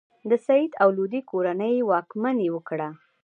د سید او لودي کورنۍ واکمني وکړه.